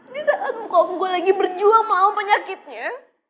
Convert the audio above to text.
di saat kogu gue lagi berjuang melawan penyakitnya